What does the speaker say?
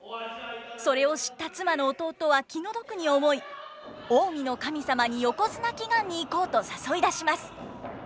それを知った妻の弟は気の毒に思い近江の神様に横綱祈願に行こうと誘い出します。